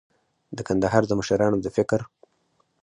د کندهار د مشرانو د فکر